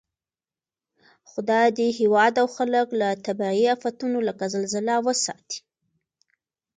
خدای دې هېواد او خلک له طبعي آفتو لکه زلزله وساتئ